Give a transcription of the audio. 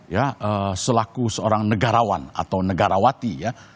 ya selaku seorang negarawan atau negarawati ya